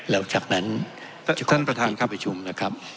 แล้วจากนั้นจะขออนุญาตที่ประชุมนะครับ